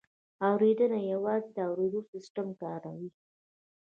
اورېدنه یوازې د اورېدو سیستم کاروي